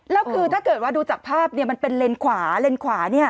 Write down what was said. แล้วคือถ้าเกิดว่าดูจากภาพเนี่ยมันเป็นเลนส์ขวาเลนส์ขวาเนี่ย